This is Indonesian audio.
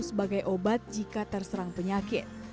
sebagai obat jika terserang penyakit